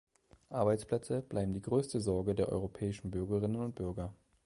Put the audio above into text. Arbeitsplätze bleiben die größte Sorge der europäischen Bürgerinnen und Bürger.